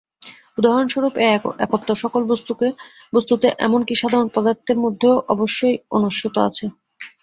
উদাহরণস্বরূপ এই একত্ব সকল বস্তুতে এমন কি সাধারণ পদার্থের মধ্যেও অবশ্যই অনুস্যূত আছে।